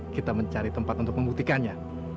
kita mencari tempat untuk membuktikannya